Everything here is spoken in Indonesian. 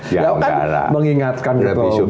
ya mengingatkan ketua umum